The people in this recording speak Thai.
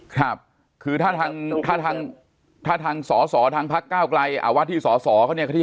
ครับคือถ้าทางสอสอทางพักก้าวกลายอาวาที่สอสอเขาเนี่ย